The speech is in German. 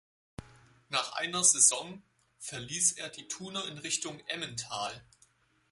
Nach einer Saison verliess er die Thuner in Richtung Emmental.